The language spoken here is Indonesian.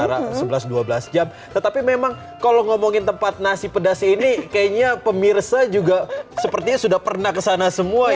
ada yang di indonesia sendiri sekitar sebelas dua belas jam tetapi memang kalau ngomongin tempat nasi pedas ini kayaknya pemirsa juga sepertinya sudah pernah kesana semua ya